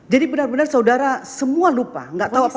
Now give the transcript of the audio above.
jadi benar benar saudara semua lupa tidak tahu apa apa